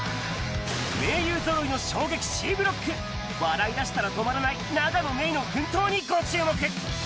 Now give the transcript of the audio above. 名優ぞろいの衝撃Ｃブロック。笑いだしたら止まらない永野芽郁の奮闘にご注目。